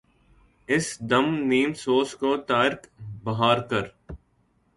اس دم نیم سوز کو طائرک بہار کر